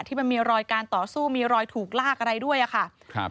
ที่มีรอยการต่อสู้มีรอยถูกลากอะไรด้วยอะค่ะครับ